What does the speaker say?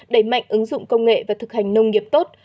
đẩy mạnh ứng dụng công nghệ và thực hành nông nghiệp tốt